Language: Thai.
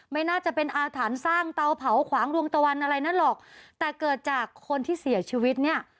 ไม่น่าจะเป็นอาถรรพ์สร้างเตาเผาขวางดวงตะวันอะไรนั่นหรอกแต่เกิดจากคนที่เสียชีวิตเนี่ย